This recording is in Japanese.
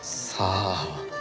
さあ。